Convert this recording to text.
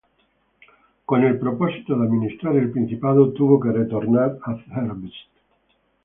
Con el propósito de administrar el principado, tuvo que retornar a Zerbst.